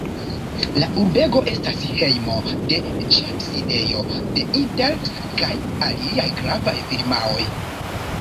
La urbego estas hejmo de ĉefsidejo de Intel kaj aliaj gravaj firmaoj.